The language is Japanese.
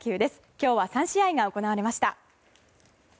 今日は３試合が行われました。